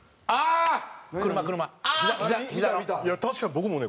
確かに僕もね